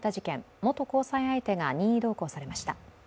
元交際相手が任意同行されました。